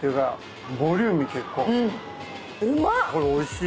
これおいしい。